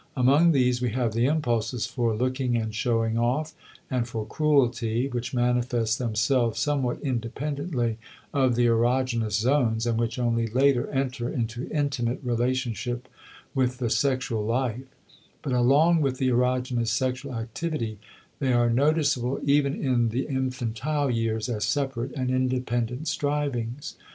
Among these we have the impulses for looking and showing off, and for cruelty, which manifest themselves somewhat independently of the erogenous zones and which only later enter into intimate relationship with the sexual life; but along with the erogenous sexual activity they are noticeable even in the infantile years as separate and independent strivings.